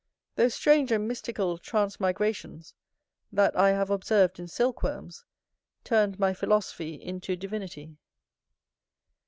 Those strange and mystical transmigrations that I have observed in silkworms turned my philosophy into divinity.